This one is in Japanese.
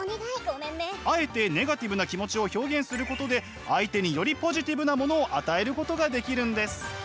あえてネガティブな気持ちを表現することで相手によりポジティブなものを与えることができるんです。